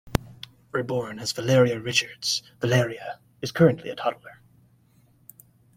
Reborn as Valeria Richards, Valeria is currently a toddler.